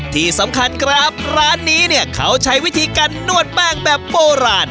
ที่สำคัญครับร้านนี้เนี่ยเขาใช้วิธีการนวดแป้งแบบโบราณ